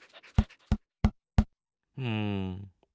うん。